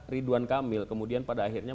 ridwan kamil kemudian pada akhirnya